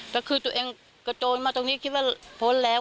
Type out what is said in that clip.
ก็คือตัวเองกระโจนมาตรงนี้คิดว่าพ้นแล้ว